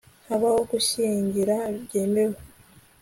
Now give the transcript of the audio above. habaho gushyingira byemewe